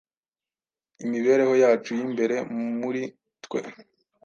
imibereho yacu y’imbere muri twe.